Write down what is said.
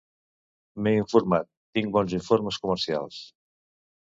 M'he informat, tinc bons informes comercials